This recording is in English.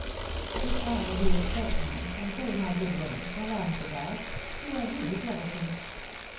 "'Tis I, he expects me; and pray, my good woman, allow me to pass; you are really troublesome!"